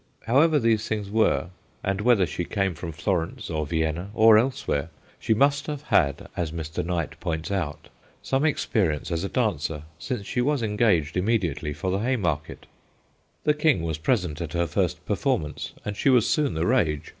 However these things were, and whether she came from SYMBOLIC 119 Florence or Vienna or elsewhere, she must have had, as Mr. Knight points out, some experience as a dancer, since she was en gaged immediately for the Haymarket. The King was present at her first per formance, and she was soon the rage.